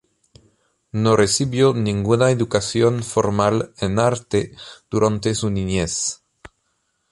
No recibió ninguna educación formal en arte durante su niñez.